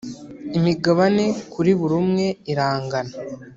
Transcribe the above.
Imigabane Kuri buri umwe irangana.